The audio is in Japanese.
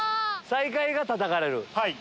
最下位がたたかれる。